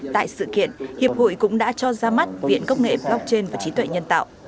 tại sự kiện hiệp hội cũng đã cho ra mắt viện công nghệ blockchain và trí tuệ nhân tạo